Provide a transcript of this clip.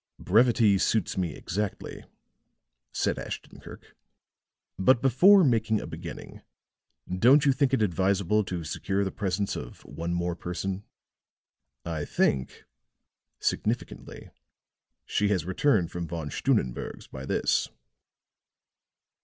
"Brevity suits me exactly," said Ashton Kirk. "But before making a beginning, don't you think it advisable to secure the presence of one more person? I think," significantly, "she has returned from Von Stunnenberg's by this."